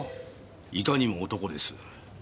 いかにも男です。